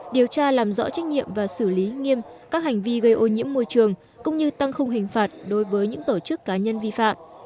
điều tra làm rõ trách nhiệm và xử lý nghiêm các hành vi gây ô nhiễm môi trường cũng như tăng khung hình phạt đối với những tổ chức cá nhân vi phạm